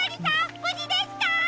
ぶじですか？